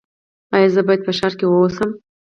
ایا زه باید په ښار کې اوسم؟